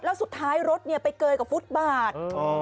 แล้วสุดท้ายรถไปเกยกับฟุตบาท